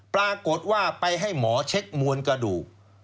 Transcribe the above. ปรากฏว่าไปให้หมอเช็คมวลกระดูก